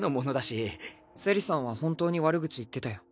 セリさんは本当に悪口言ってたよ。